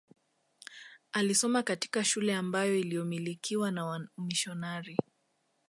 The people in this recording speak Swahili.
Alisoma katika shule ambayo iliyomilikiwa na wamisionari